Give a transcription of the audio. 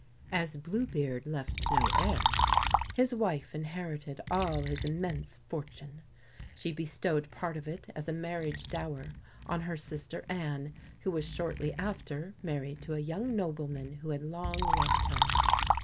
As Blue beard left no heirs, his wife inherited all his immense fortune. She bestowed part of it as a marriage dower on her sister Anne, who was shortly after married to a young nobleman who had long loved her.